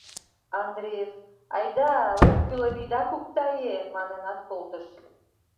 Андреев «Айда, оккӱлым ида куктае» манынат колтыш.